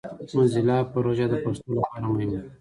موزیلا پروژه د پښتو لپاره مهمه ده.